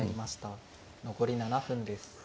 残り７分です。